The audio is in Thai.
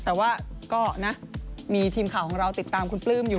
แต่ว่าก็นะมีทีมข่าวของเราติดตามคุณปลื้มอยู่